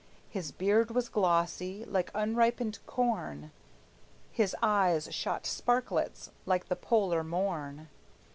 His beard was glossy, like unripened corn; His eyes shot sparklets like the polar morn.